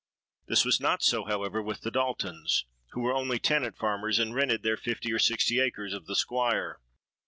This was not so, however, with the Daltons, who were only tenant farmers, and rented their fifty or sixty acres of the Squire.